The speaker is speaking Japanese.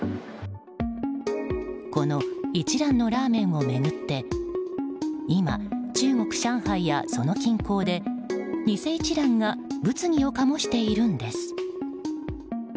この一蘭のラーメンを巡って今、中国・上海やその近郊で偽一蘭が物議を醸しているんです。